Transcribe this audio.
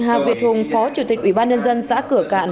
hà việt hùng phó chủ tịch ubnd xã cửa cạn